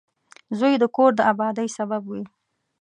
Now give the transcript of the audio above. • زوی د کور د آبادۍ سبب وي.